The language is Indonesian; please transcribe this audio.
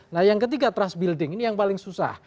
nah yang ketiga trust building ini yang paling susah